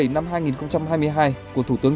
năm hai nghìn hai mươi hai của thủ tướng